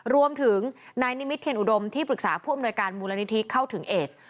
รวมถึงนายนิมิตเทียนอุดมที่ปรึกษาผู้อำนวยการมูลนิธิเข้าถึงเอส